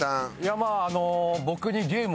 まああの。